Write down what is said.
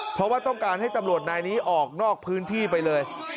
เพราะว่าต้องการให้ตำรวจนายนี้ออกนอกพื้นที่ไปเลย